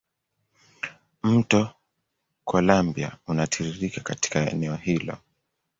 Mto Columbia unatiririka katika eneo hilo.